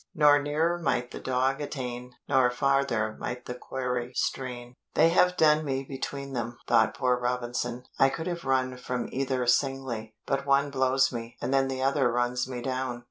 Nor nearer might the dog attain, Nor farther might the quarry strain. "They have done me between them," thought poor Robinson. "I could have run from either singly, but one blows me, and then the other runs me down.